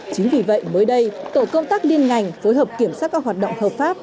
chính vì vậy mới đây tổ công tác liên ngành phối hợp kiểm soát các hoạt động hợp pháp